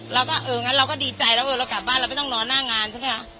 เราก็เอองั้นเราก็ดีใจแล้วเออเรากลับบ้านเราไม่ต้องนอนหน้างานใช่ไหมคะ